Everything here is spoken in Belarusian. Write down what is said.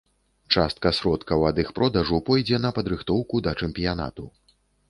Частка сродкаў ад іх продажу пойдзе на падрыхтоўку да чэмпіянату.